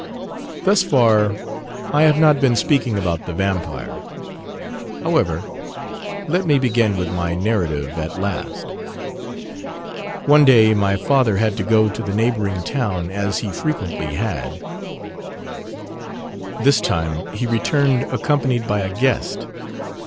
Thus far I have not been speaking about the Vampire. However, let me begin with my narrative at last. One day my father had to go to the neighbouring town as he frequently had. This time he returned accompanied by a guest.